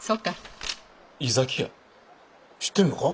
知ってんのか？